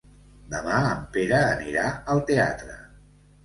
Demà en Pere anirà al teatre.